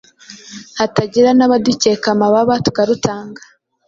hatagira n’abadukeka amababa tukarutanga,